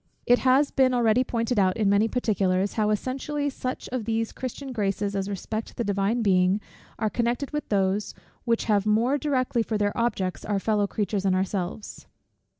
It has been already pointed out in many particulars, how essentially such of these Christian graces as respect the Divine Being are connected with those, which have more directly for their objects our fellow creatures and ourselves.